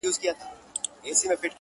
خو وجدان يې نه پرېږدي تل,